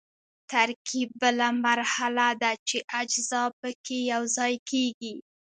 ترکیب بله مرحله ده چې اجزا پکې یوځای کیږي.